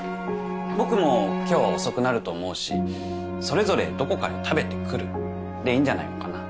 僕も今日は遅くなると思うしそれぞれどこかで食べてくるでいいんじゃないのかな。